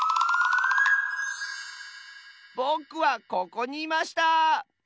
ぼくはここにいました！